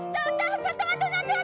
ちょっと待って待って！